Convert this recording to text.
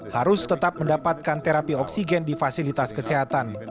harus tetap mendapatkan terapi oksigen di fasilitas kesehatan